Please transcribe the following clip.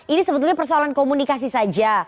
ini sebetulnya persoalan komunikasi saja